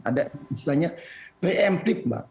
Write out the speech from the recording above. ada misalnya preemptive mbak